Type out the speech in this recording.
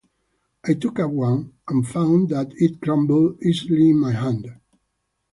I took up one, and found that it crumbled easily in my hand.